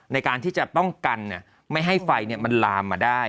ในการที่จะป้องกันไม่ให้ไฟมันลามมาได้